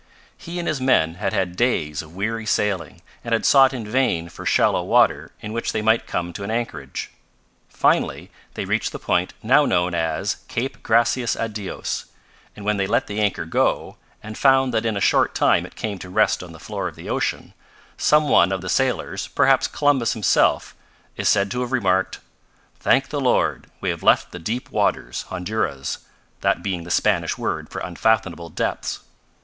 He and his men had had days of weary sailing and had sought in vain for shallow water in which they might come to an anchorage. Finally they reached the point now known as Cape Gracias a Dios, and when they let the anchor go, and found that in a short time it came to rest on the floor of the ocean, some one of the sailors perhaps Columbus himself is said to have remarked: "'Thank the Lord, we have left the deep waters (honduras)' that being the Spanish word for unfathomable depths.